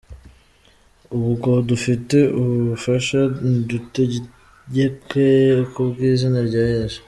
Ubwo dufite ubu bubasha, nidutegeke kubw’izina rya Yesu.